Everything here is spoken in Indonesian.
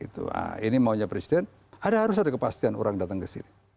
nah ini maunya presiden harus ada kepastian orang datang ke sini